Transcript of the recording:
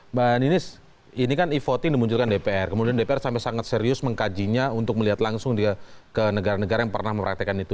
mbak ninis ini kan e voting dimunculkan dpr kemudian dpr sampai sangat serius mengkajinya untuk melihat langsung ke negara negara yang pernah mempraktekan itu